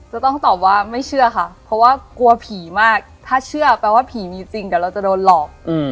จะต้องตอบว่าไม่เชื่อค่ะเพราะว่ากลัวผีมากถ้าเชื่อแปลว่าผีมีจริงเดี๋ยวเราจะโดนหลอก